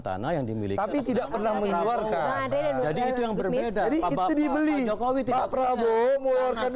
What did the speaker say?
tanah yang dimiliki tapi tidak pernah menawarkan jadi itu yang berbeda dibeli kowe kowe mau melakukan